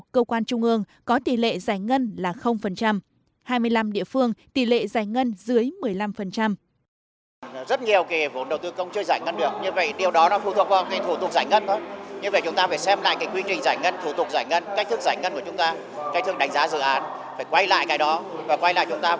cơ quan trung ương có tỷ lệ giải ngân là hai mươi năm địa phương tỷ lệ giải ngân dưới một mươi năm